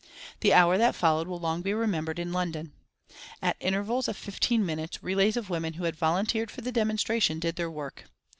The hour that followed will long be remembered in London. At intervals of fifteen minutes relays of women who had volunteered for the demonstration did their work.